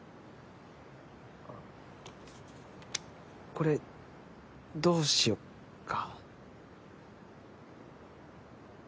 これどうしようか。